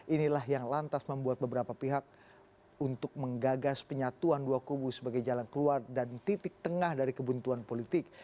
inilah yang lantas membuat beberapa pihak untuk menggagas penyatuan dua kubu sebagai jalan keluar dan titik tengah dari kebuntuan politik